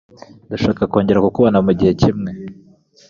Ndashaka kongera kukubona mugihe kimwe.